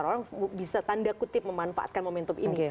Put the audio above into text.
bagaimana sebagian besar orang bisa tanda kutip memanfaatkan momentum ini